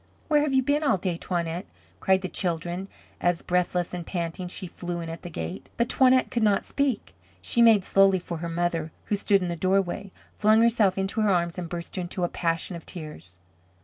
"Where have you been all day, Toinette?" cried the children, as, breathless and panting, she flew in at the gate. But Toinette could not speak. She made slowly for her mother, who stood in the doorway, flung herself into her arms and burst into a passion of tears.